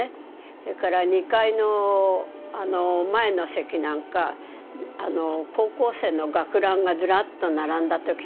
だから２階の前の席なんか高校生の学ランがずらっと並んだ時があります。